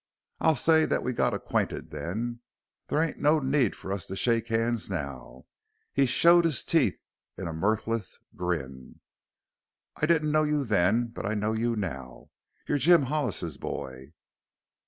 "I'll say that we got acquainted then. There ain't no need for us to shake hands now." He showed his teeth in a mirthless grin. "I didn't know you then, but I know you now. You're Jim Hollis's boy."